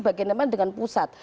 bagaimana dengan pusat